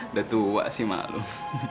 udah tua sih malam